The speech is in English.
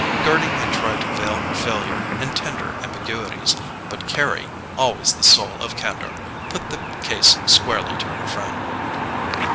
Gerty had tried to veil her failure in tender ambiguities; but Carry, always the soul of candour, put the case squarely to her friend.